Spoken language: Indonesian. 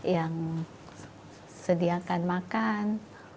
yang sediakan makan